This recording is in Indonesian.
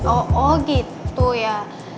oh gitu ya